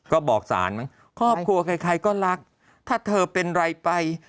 ก็บอกสารมั้งครอบครัวใครก็รักถ้าเธอเป็นไรไป